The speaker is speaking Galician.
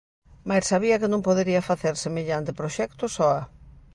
Mais sabía que non podería facer semellante proxecto soa.